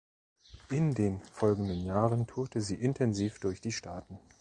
In den folgenden Jahren tourte sie intensiv durch die Staaten.